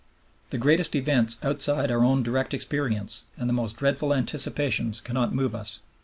The greatest events outside our own direct experience and the most dreadful anticipations cannot move us.